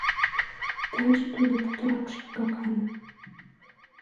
Таче тудо путырак шергакан.